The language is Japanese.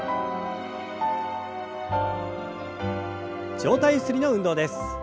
上体ゆすりの運動です。